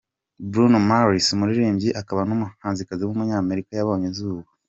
Bruno Mars, umuririmbyi akaba n’umuhanzi w’umunyamerika yabonye izuba.